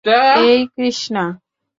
এই, কৃষ্ণা!